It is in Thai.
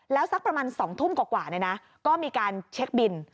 แล้วสักประมาณ๒ทุ่มกว่าก็มีการเช็คบิน